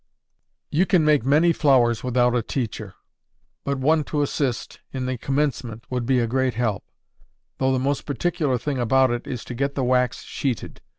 You can make many flowers without a teacher; but one to assist, in the commencement, would be a great help; though the most particular thing about it is to get the wax sheeted.